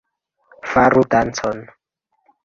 Faru dancon